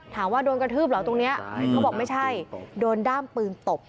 ถามว่าโดนกระทืบเหรอตรงนี้เขาบอกไม่ใช่โดนด้ามปืนตบ